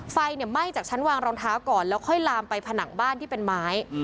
ไฟไหม้จากชั้นวางรองเท้าก่อนแล้วค่อยลามไปผนังบ้านที่เป็นไม้